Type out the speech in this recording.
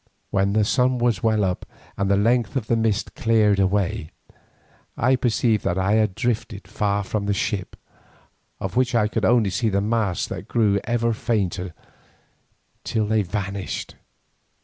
When the sun was well up and at length the mist cleared away, I perceived that I had drifted far from the ship, of which I could only see the masts that grew ever fainter till they vanished.